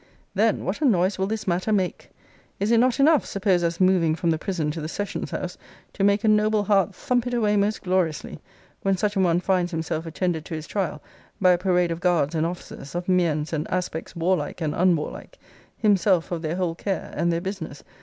Then what a noise will this matter make! Is it not enough, suppose us moving from the prison to the sessions house,* to make a noble heart thump it away most gloriously, when such an one finds himself attended to his trial by a parade of guards and officers, of miens and aspects warlike and unwarlike; himself of their whole care, and their business!